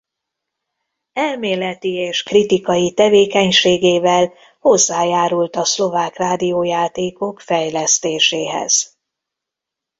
Elméleti és kritikai tevékenységével hozzájárult a szlovák rádiójátékok fejlesztéséhez.